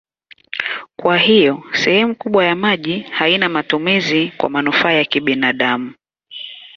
Kwa hiyo sehemu kubwa ya maji haina matumizi kwa manufaa ya binadamu.